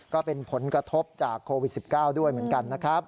ก็เป็นผลกระทบจากโควิด๑๙ด้วยเหมือนกันนะครับ